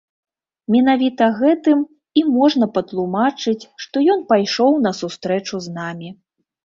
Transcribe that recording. Менавіта гэтым і можна патлумачыць, што ён пайшоў на сустрэчу з намі.